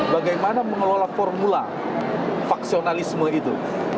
bagaimana mengelola formula faksionalisme itu